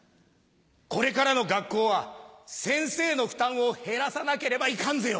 これからの学校は先生の負担を減らさなければいかんぜよ。